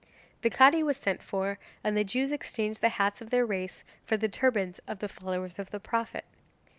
The Cadi was sent for, and the Jews exchanged the hats of their race for the turbans of the followers of the Prophet.